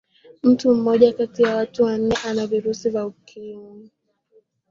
mtu mmoja kati ya watu wanne ana virusi vya ukimwi